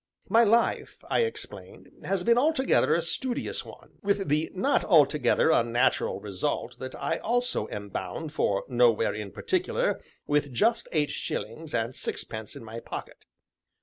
"My life," I explained, "has been altogether a studious one, with the not altogether unnatural result that I also am bound for Nowhere in Particular with just eight shillings and sixpence in my pocket."